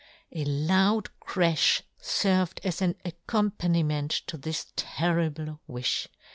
A loud crafh ferved as an accom paniment to this terrible wifh.